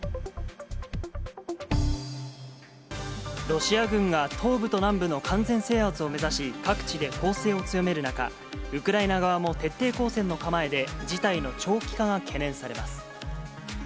ロシア軍が東部と南部の完全制圧を目指し、各地で攻勢を強める中、ウクライナ側も徹底抗戦の構えで、事態の長期化が懸念されます。